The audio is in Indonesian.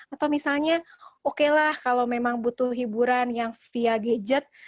atau misalnya oke lah kalau memang butuh hiburan yang via gadget